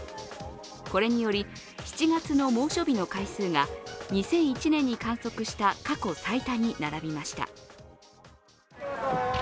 これにより７月の猛暑日の回数が２００１年に観測した過去最多に並びました。